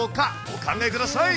お考えください。